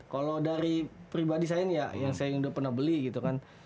kalau dari pribadi saya nih ya yang saya udah pernah beli gitu kan